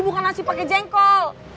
bukan nasi pake jengkol